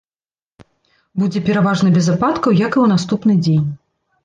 Будзе пераважна без ападкаў, як і ў наступны дзень.